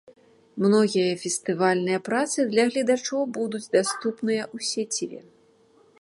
Многія фестывальныя працы для гледачоў будуць даступныя ў сеціве.